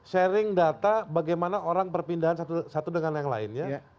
sharing data bagaimana orang berpindahan satu dengan yang lain